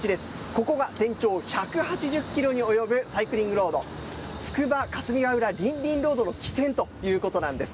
ここが全長１８０キロに及ぶサイクリングロード、つくば霞ヶ浦りんりんロードの起点ということなんです。